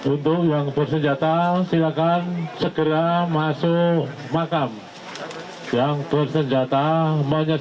izin untuk pasukan yang bersenjata segera masuk di makam yang bersenjata agar di jalan